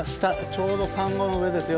ちょうどサンゴの上ですよ